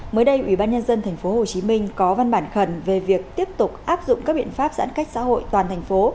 mới đây ủy ban nhân dân tp hcm có văn bản khẩn về việc tiếp tục áp dụng các biện pháp giãn cách xã hội toàn thành phố